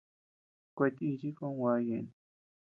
Kuetíchi kon gua ñeʼën.